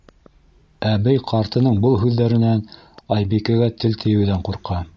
Әбей ҡартының был һүҙҙәренән Айбикәгә тел тейеүҙән ҡурҡа.